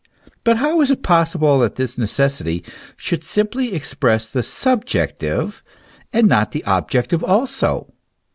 But how is it possible that this necessity should simply express the subjective, and not the objective also?